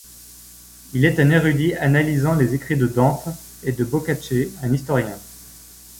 Il est un érudit analysant les écrits de Dante et de Boccace, un historien.